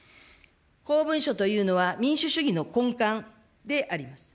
公文書というのは、民主主義の根幹であります。